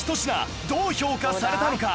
どう評価されたのか？